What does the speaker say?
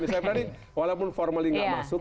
saya berani walaupun formalnya nggak masuk